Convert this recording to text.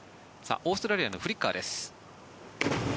オーストラリアのフリッカーです。